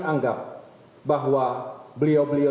anggap bahwa beliau beliau